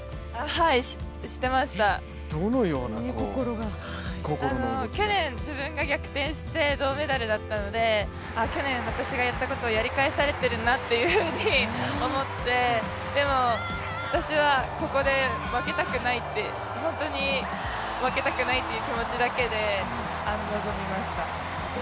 はい、知ってました、去年自分が逆転して銅メダルだったので去年、私がやったことをやり返されてるなと思ってでも、私はここで負けたくないって本当に負けたくないって気持ちだけで臨みました。